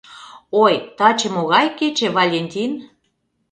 Ой, таче могай кече, Валентин?